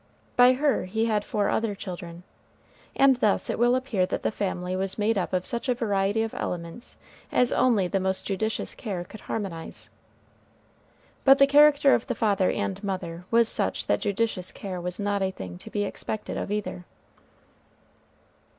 By her he had four other children. And thus it will appear that the family was made up of such a variety of elements as only the most judicious care could harmonize. But the character of the father and mother was such that judicious care was a thing not to be expected of either.